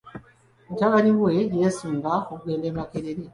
Mutabani we yeesunga okugenda e Makerere.